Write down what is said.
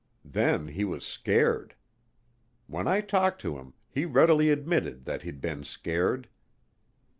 Then he was scared. When I talked to him, he readily admitted that he'd been scared.